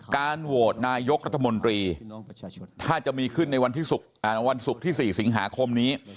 การโหวตนายกรัฐมนตรีถ้าจะมีขึ้นในวันศุกร์ที่๔สิงหาคมนี้